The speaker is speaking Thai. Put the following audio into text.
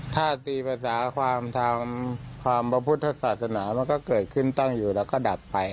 ธาตุธีภาษาความทำความบพุทธศาสนามันก็เกิดขึ้นตั้งอยู่แล้วก็ดัดไป